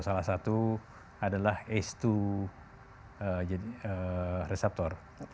salah satu adalah ace dua reseptor